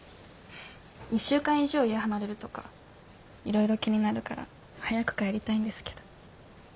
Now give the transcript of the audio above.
１週間以上家離れるとかいろいろ気になるから早く帰りたいんですけど。